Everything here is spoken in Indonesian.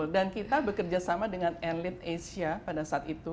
dan kita bekerja sama dengan enlit asia pada saat itu